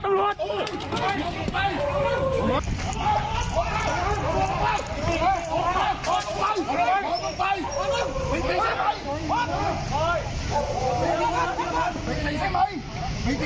ตำรวจตำรวจ